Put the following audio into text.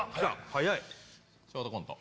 はやいショートコント